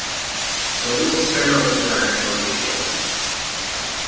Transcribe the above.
The little spare old gunner shrugged his shoulders.